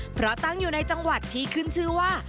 เพราะตั้งอยู่ในจังหวัดที่ขึ้นชื่อว่า